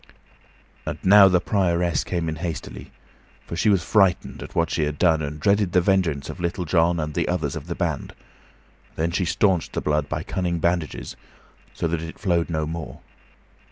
And now the Prioress came in hastily, for she was frightened at what she had done, and dreaded the vengeance of Little John and the others of the band; then she stanched the blood by cunning bandages, so that it flowed no more.